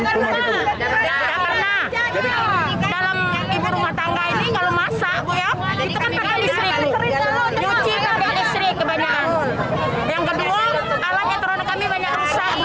yang kedua alatnya teronok kami banyak rusak